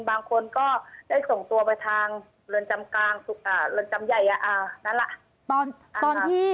บางคนก็ได้ส่งตัวไปทางเรือนจำกลางเรือนจำใหญ่นั่นแหละตอนตอนที่